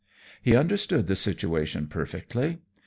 He understood the situation perfectly.